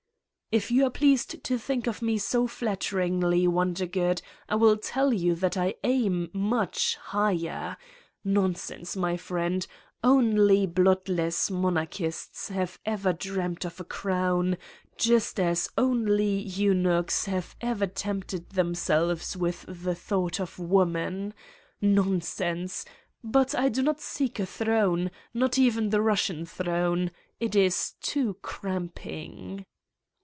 "If you are pleased to think of me so flatter ingly, Wondergood, I will tell you that I aim much higher. Nonsense, my friend! Only bloodless moralists have never dreamt of a crown, just as only eunuchs have never tempted themselves with the thought of woman. Nonsense! But I do not 190 Satan's Diary seek a throne not even the Russian throne : it is too cramping."